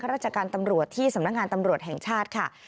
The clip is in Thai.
ราชการตำรวจที่สำนักงานตำรวจแห่งชาติค่ะ